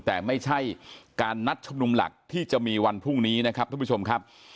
แต่ไม่ใช่การนัดชุมนุมหลักที่จะมีวันพรุ่งนี้นะครับทุกผู้ชมครับ